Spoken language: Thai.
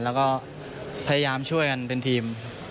แล้วก็พยายามช่วยกันเป็นทีม